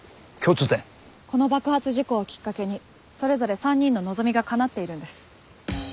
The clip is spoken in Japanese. この爆発事故をきっかけにそれぞれ３人の望みがかなっているんです。